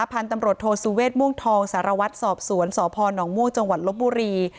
พันธุ์ตำรวจโทสุเวทม่วงทองสารวัตรสอบสวนสพนม่วงจังหวัดลบบุรี